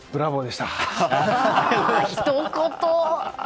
ひと言。